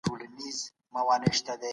طبيعي پېښې زموږ په واک کي نه دي.